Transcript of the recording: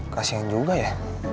kasian juga ya